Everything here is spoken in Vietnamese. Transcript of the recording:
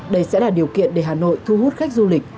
đây sẽ là điều kiện để hà nội thu hút khách du lịch